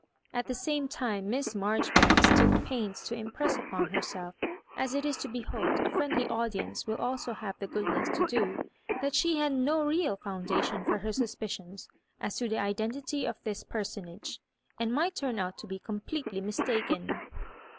At the same time Miss Maijoribanks took pains to impress upon herself, as it is to be Jioped a friendly audience will also have the goodness to do, that she had no realfoufidation for her suspi cions as to the identity of this personage, and might turn out to be completely mistaken.